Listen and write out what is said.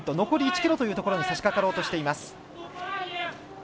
残り１ｋｍというところにさしかかろうとしています。